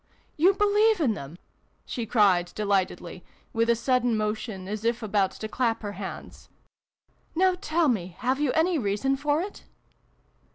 " You believe in them ?" she cried de lightedly, with a sudden motion as if about to clap her hands. " Now tell me, have you any reason for it